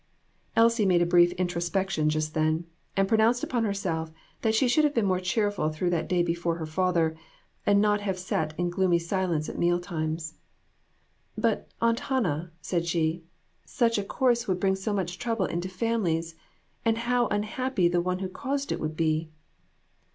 Elsie made a brief introspection just then, and pronounced upon herself that she should have been more cheerful through that day before her father, and not have sat in gloomy silence at meal times. "But, Aunt Hannah," she said, "such a course would bring so much trouble into families, and how unhappy the one who caused it would be!"